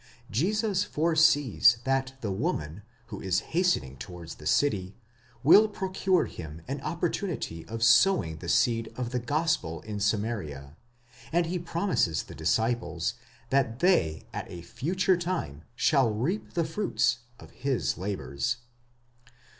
Jesus foresees that the woman, who is hastening towards the city, will procure him an opportunity of sowing the seed of the gospel in Samaria, and he promises the disciples that they at a future time shall reap the fruits of his labours.